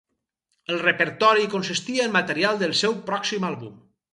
El repertori consistia en material del seu pròxim àlbum.